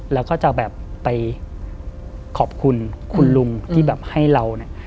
แล้วก็จะแบบไปขอบคุณคุณลุงที่แบบให้เราเนี่ย